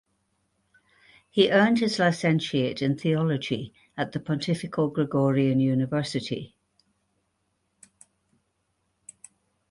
He earned his licenciate in theology at the Pontifical Gregorian University.